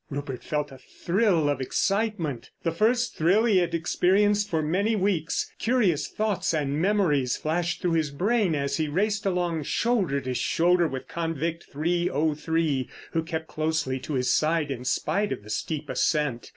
Rupert felt a thrill of excitement. The first thrill he had experienced for many weeks. Curious thoughts and memories flashed through his brain as he raced along shoulder to shoulder with Convict 303, who kept closely to his side in spite of the steep ascent.